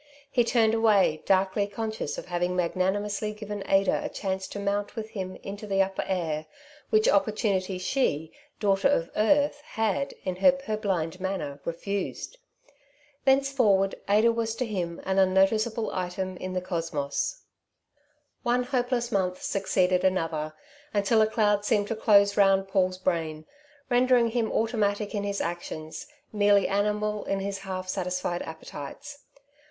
He turned away, darkly conscious of having magnanimously given Ada a chance to mount with him into the upper air, which opportunity she, daughter of earth, had, in her purblind manner, refused. Thenceforward Ada was to him an unnoticeable item in the cosmos. One hopeless month succeeded another, until a cloud seemed to close round Paul's brain, rendering him automatic in his actions, merely animal in his half satisfied appetites.